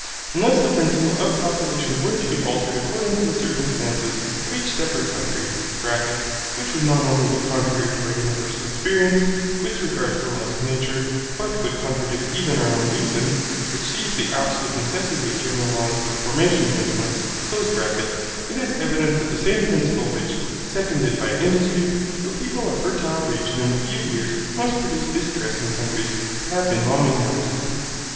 Unless the principle of population were to be altered according to the circumstances of each separate country (which would not only be contrary to our universal experience, with regard to the laws of nature, but would contradict even our own reason, which sees the absolute necessity of general laws for the formation of intellect), it is evident that the same principle which, seconded by industry, will people a fertile region in a few years must produce distress in countries that have been long inhabited.